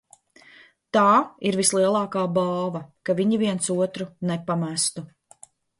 Tā ir vislielākā balva, ka viņi viens otru nepamestu.